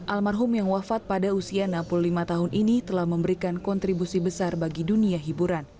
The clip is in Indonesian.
almarhum yang wafat pada usia enam puluh lima tahun ini telah memberikan kontribusi besar bagi dunia hiburan